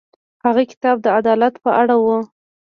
هغه کتاب د عدالت په اړه و.